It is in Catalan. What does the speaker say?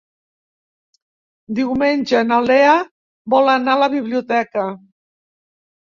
Diumenge na Lea vol anar a la biblioteca.